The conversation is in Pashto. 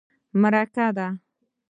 _مرکه ده.